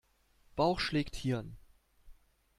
Bauch schlägt Hirn.